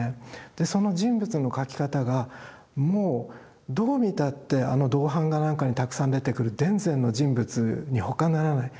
その人物の描き方がもうどう見たってあの銅版画なんかにたくさん出てくる田善の人物に他ならない。